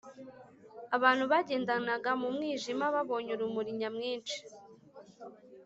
abantu bagendaga mu mwijima babonye urumuri nyamwinshi